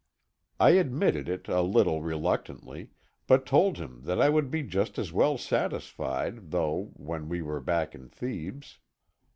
I admitted it a little reluctantly, but told him that I would be just as well satisfied, though, when we were back in Thebes.